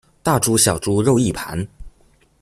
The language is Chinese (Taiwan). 大豬小豬肉一盤